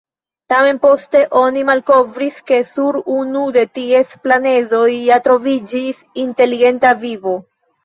Tamen poste oni malkovris, ke sur unu de ties planedoj ja troviĝis inteligenta vivo.